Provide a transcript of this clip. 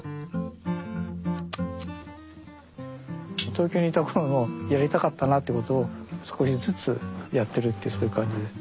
東京にいた頃のやりたかったなっていうことを少しずつやってるってそういう感じです。